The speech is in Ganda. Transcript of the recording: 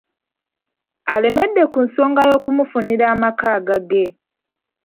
Alemedde ku nsonga y'okumufunira amaka agage.